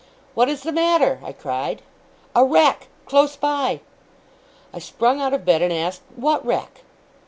'What is the matter?' I cried. 'A wreck! Close by!' I sprung out of bed, and asked, what wreck?